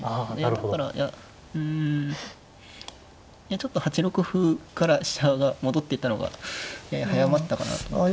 だからうんいやちょっと８六歩から飛車が戻っていったのがやや早まったかなと思って。